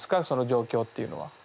その状況っていうのは。